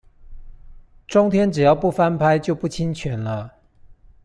中天只要不要翻拍就不侵權了